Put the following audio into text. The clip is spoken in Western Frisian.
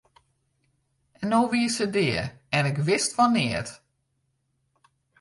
En no wie se dea en ik wist fan neat!